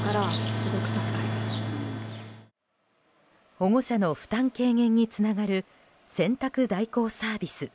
保護者の負担軽減につながる洗濯代行サービス。